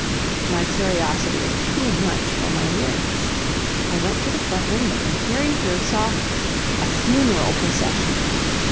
My curiosity was too much for my weariness; I went to the front window, and, peering through, saw a funeral procession!